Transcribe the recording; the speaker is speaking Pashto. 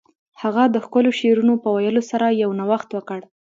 هغه د ښکلو شعرونو په ویلو سره یو نوښت وکړ